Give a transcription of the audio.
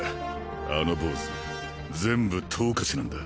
あの坊主全部等価値なんだ。